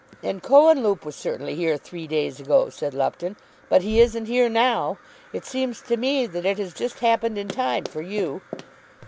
"And Cohenlupe was certainly here three days ago," said Lupton; "but he isn't here now. It seems to me that it has just happened in time for you."